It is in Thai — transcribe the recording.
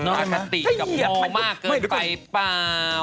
น่าจะติกกับโมมากเกินไปเปล่า